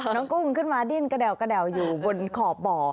กุ้งขึ้นมาดิ้นกระแดวกระแด่วอยู่บนขอบบ่อ